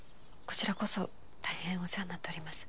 こちらこそ大変お世話になっております